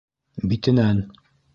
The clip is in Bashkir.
Битенән.